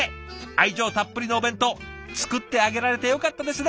愛情たっぷりのお弁当作ってあげられてよかったですね。